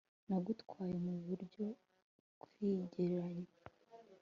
Nagutwaye mu buryo bwikigereranyo